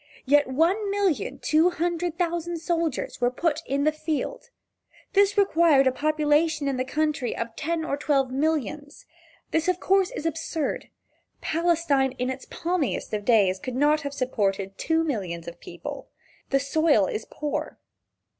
Yet one million two hundred thousand soldiers were put in the field. This required a population in the country of ten or twelve millions. Of course this is absurd. Palestine in its palmiest days could not have supported two millions of people. The soil is poor.